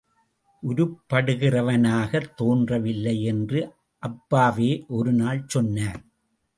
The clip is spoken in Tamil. உருப்படுகிறவனாகத் தோன்ற வில்லை என்று அப்பாவே ஒரு நாள் சொன்னார்.